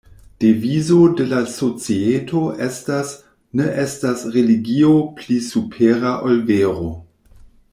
Devizo de la societo estas "ne estas religio pli supera ol vero".